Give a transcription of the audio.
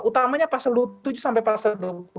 utamanya pasal dua puluh tujuh sampai pasal dua puluh sembilan